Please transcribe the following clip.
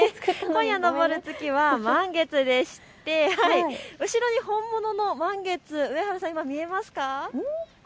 今夜、昇る月は満月でして後ろに本物の満月、上原さん見えますか。